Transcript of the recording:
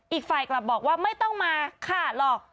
อีกฝ่ายกลับบอกว่าไม่ต้องมาฆ่าหรอก